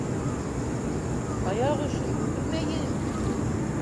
— Аяҡ өшөй, йүгермәйем!